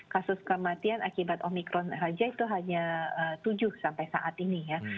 kasus kematian akibat omikron saja itu hanya tujuh sampai saat ini ya